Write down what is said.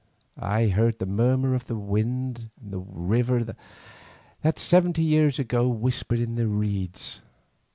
I heard the murmur of the river and the wind that seventy years ago whispered in the reeds.